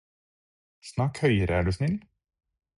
Snakk høyere, er du snill.